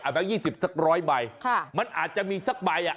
อาทิตย์๒๐สักร้อยใบมันอาจจะมีสักใบค่ะ